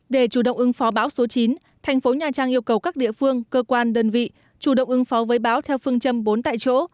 để chủ động ứng phó bão số chín thành phố nha trang yêu cầu các địa phương cơ quan đơn vị chủ động ứng phó với báo theo phương châm bốn tại chỗ